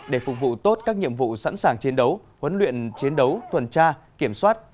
để phục vụ tốt các nhiệm vụ sẵn sàng chiến đấu huấn luyện chiến đấu tuần tra kiểm soát